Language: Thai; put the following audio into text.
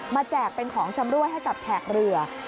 แจกเป็นของชำรวยให้กับแขกเรือ